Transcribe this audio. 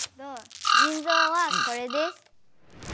じん臓はこれです。